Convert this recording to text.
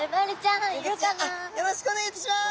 あっよろしくお願いいたします！